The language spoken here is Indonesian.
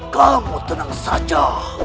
kamu tenang saja